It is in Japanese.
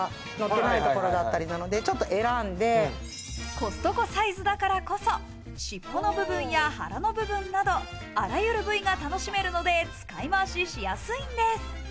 コストコサイズだからこそ、尻尾の部分や腹の部分など、あらゆる部位が楽しめるので使いまわししやすいんです。